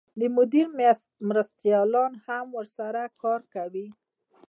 د مدیر مرستیالان هم ورسره کار کوي.